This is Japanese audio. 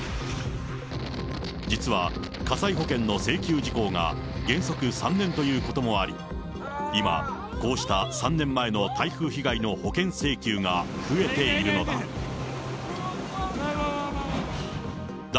実は火災保険の請求時効が原則３年ということもあり、今、こうした３年前の台風被害の保険請求が増えているのだ。